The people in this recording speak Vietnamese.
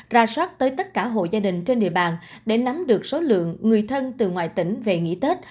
ra soát tới tất cả hộ gia đình trên địa bàn để nắm được số lượng người thân từ ngoài tỉnh về nghỉ tết